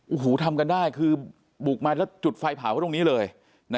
อู้หูทำกันได้คือบุกมาแล้วจุดไฟผ่าตรงนี้เลยนะครับ